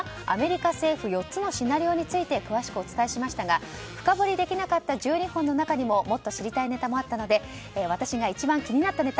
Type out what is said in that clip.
アメリカ政府４つのシナリオについて詳しくお伝えしましたが深掘りできなかった１２本の中にももっと知りたいネタもあったので私が一番気になった